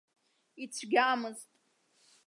Ицәгьамызт!